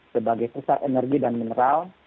sebagai sesar energi dan mineral